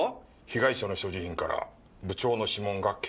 被害者の所持品から部長の指紋が検出されました。